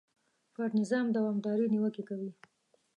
پر نظام دوامدارې نیوکې کوي.